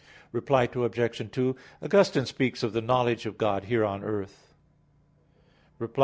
Reply Obj. 2: Augustine speaks of the knowledge of God here on earth. Reply Obj.